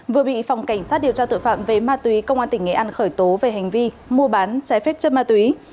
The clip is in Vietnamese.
vừa bị phòng cảnh sát điều tra tội phạm về ma túy công an tỉnh nghệ an khởi tố về hành vi mua bán trái phép chất ma túy